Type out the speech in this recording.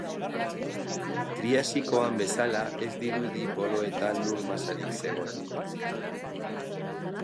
Triasikoan bezala ez dirudi poloetan lur masarik zegoenik.